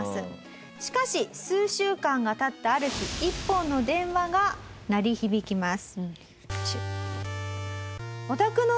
しかし数週間が経ったある日一本の電話が鳴り響きます。